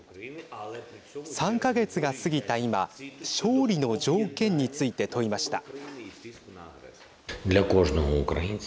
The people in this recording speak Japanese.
３か月が過ぎた今勝利の条件について問いました。